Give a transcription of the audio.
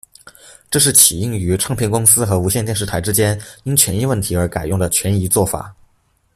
这是起因于唱片公司和无线电视台之间因权益问题而改用的权宜作法。